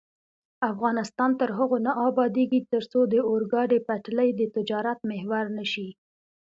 افغانستان تر هغو نه ابادیږي، ترڅو د اورګاډي پټلۍ د تجارت محور نشي.